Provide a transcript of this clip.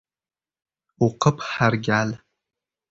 O’qib har gal